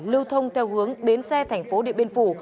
lưu thông theo hướng bến xe thành phố điện biên phủ